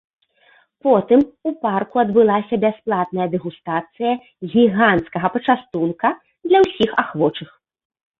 Потым у парку адбылася бясплатная дэгустацыя гіганцкага пачастунка для ўсіх ахвочых.